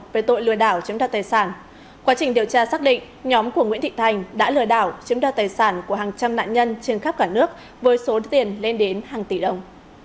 với tội lừa đảo chứng đo tài sản quá trình điều tra xác định nhóm của nguyễn thị thành đã lừa đảo chứng đo tài sản của hàng trăm nạn nhân trên khắp cả nước với số tiền lên đến hàng tỷ đồng